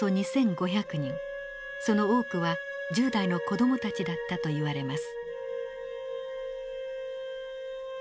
その多くは１０代の子どもたちだったといわれます。